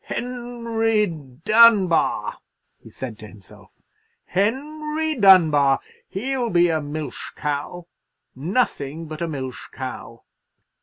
"Henry Dunbar," he said to himself; "Henry Dunbar! He'll be a milch cow—nothing but a milch cow.